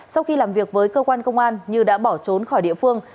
sau khi làm việc với cơ quan công an như đã bỏ trốn khỏi địa phương